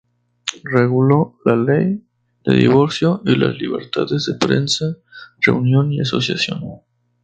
Reguló la ley de divorcio y las libertades de prensa, reunión y asociación.